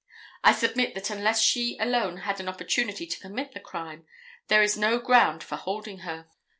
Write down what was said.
I submit that unless she alone had an opportunity to commit the crime there is no ground for holding her.